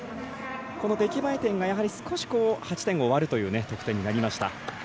この出来栄え点が少し８点を割るという得点になりました。